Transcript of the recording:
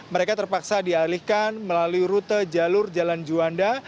mereka terpaksa dialihkan melalui rute jalur jalan juanda